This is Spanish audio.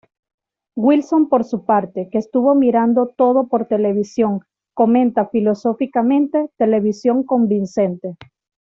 Wilson por su parte, que estuvo mirando todo por televisión, comenta filosóficamente: "televisión convincente".